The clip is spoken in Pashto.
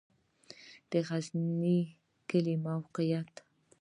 د غزنی کلی موقعیت